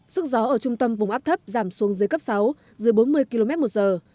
sức gió ở trung tâm vùng áp thấp giảm xuống dưới cấp sáu dưới bốn mươi km một giờ